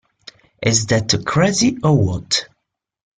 Is that crazy or what?